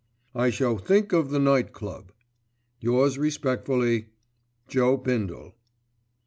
I shall think of the Night Club. Yours respectfully, JOE BINDLE."